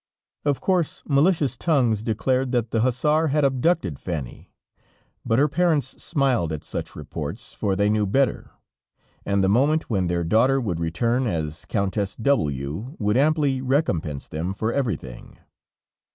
Of course malicious tongues declared that the hussar had abducted Fanny, but her parents smiled at such reports, for they knew better, and the moment when their daughter would return as Countess W would amply recompense them for everything.